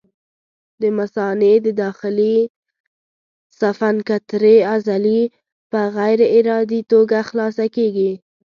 د مثانې د داخلي سفنکترې عضلې په غیر ارادي توګه خلاصه کېږي.